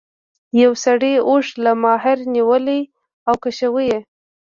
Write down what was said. یو سړي اوښ له مهار نیولی او کشوي یې.